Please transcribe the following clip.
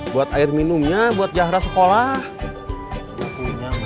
buat air minumnya buat jahra sekolah